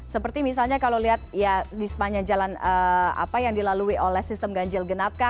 seperti misalnya kalau lihat di sepanjang jalan apa yang dilalui oleh sistem ganjil genapka